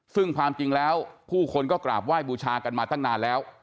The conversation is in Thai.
ซึ่งความจริงแล้วผู้คนก็กราบไหว้บูชากันมาตั้งนานแล้ว